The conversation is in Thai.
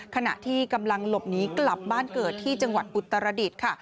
ขณะที่กำลังหลบหนีกลับบ้านเกิดที่จังหวัดอุตรดิษฐ์ค่ะ